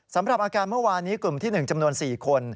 สำหรับอาการเมื่อวานนี้กลุ่มที่๑จำนวน๔คน